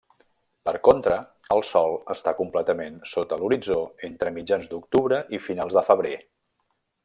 Per contra, el sol està completament sota l'horitzó entre mitjans d'octubre i finals de febrer.